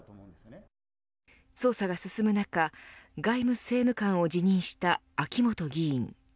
捜査が進む中外務政務官を辞任した秋本議員。